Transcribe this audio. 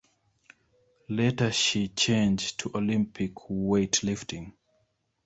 Later she change to Olympic weightlifting.